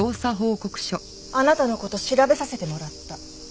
あなたの事調べさせてもらった。